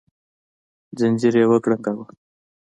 ځنځير يې وکړانګاوه